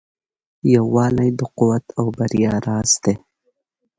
یووالی د قوت او بریا راز دی.